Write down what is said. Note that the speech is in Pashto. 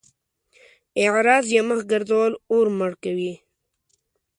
اعراض يا مخ ګرځول اور مړ کوي.